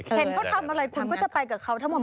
เห็นเขาทำอะไรคุณก็จะไปกับเขาทั้งหมด